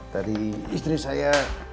tadi istri saya